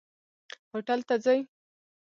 هوټل ته ځئ؟